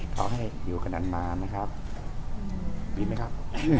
ขอให้อยู่กันอันมานะครับยินไหมครับ